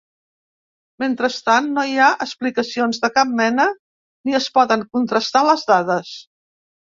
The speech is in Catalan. Mentrestant, no hi ha explicacions de cap mena ni es poden contrastar les dades.